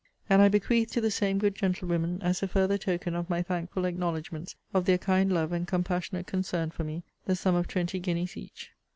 And I bequeath to the same good gentlewomen, as a further token of my thankful acknowledgements of their kind love and compassionate concern for me, the sum of twenty guineas each.